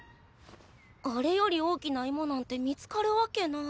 あれより大きなイモなんて見つかるわけない。